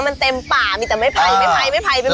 มันเต็มป่ามีแต่ไม้ไผ่ไม้ไผ่ไม้ไผ่ไปหมดเลย